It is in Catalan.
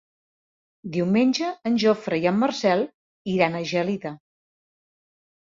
Diumenge en Jofre i en Marcel iran a Gelida.